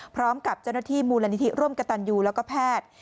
พร้อมกับเจ้าหน้าที่มูลนิธิร่วมกับตันยูแล้วก็แพทย์